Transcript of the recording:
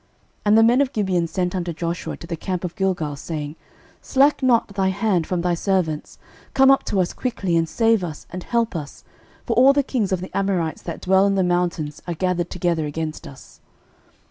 06:010:006 And the men of Gibeon sent unto Joshua to the camp to Gilgal, saying, Slack not thy hand from thy servants; come up to us quickly, and save us, and help us: for all the kings of the Amorites that dwell in the mountains are gathered together against us.